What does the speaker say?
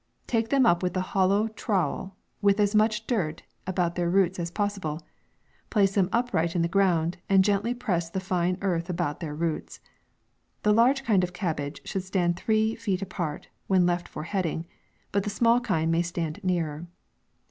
Take them up with the hollow trowel, with as much dirt about their roots as possible jj place them upright in the ground, and gently press the fine earth about their roots. The large kind of cabbage should stand three feet apart when left for heading ; but the small kind may stand nearer.